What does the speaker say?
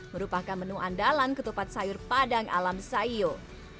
merupakan menu andalan ketupat sayur padang alam sayur